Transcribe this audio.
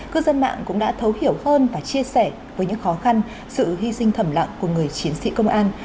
cư dân mạng cũng đã thấu hiểu hơn và chia sẻ với những khó khăn sự hy sinh thầm lặng của người chiến sĩ công an